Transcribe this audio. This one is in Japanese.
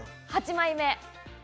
８枚目。